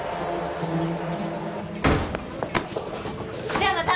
じゃあまた！